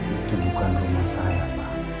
itu bukan rumah saya